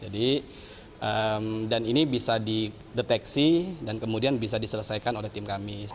dan ini bisa dideteksi dan kemudian bisa diselesaikan oleh tim kami